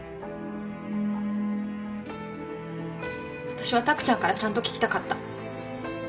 わたしは拓ちゃんからちゃんと聞きたかった。